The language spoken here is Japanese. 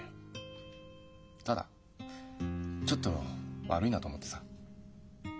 ただちょっと悪いなと思ってさ。